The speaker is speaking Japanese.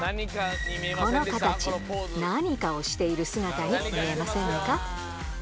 この形、何かをしている姿に見えませんか。